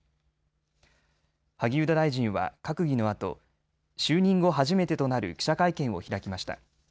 萩生田大臣は閣議のあと就任後初めてとなる記者会見を開きました。